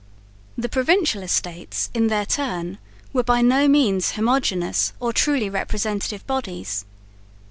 The Provincial Estates in their turn were by no means homogeneous or truly representative bodies.